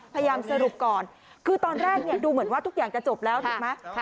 พยายามสรุปก่อนคือตอนแรกเนี่ยดูเหมือนว่าทุกอย่างจะจบแล้วถูกไหม